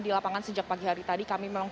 di lapangan sejak pagi hari tadi kami memang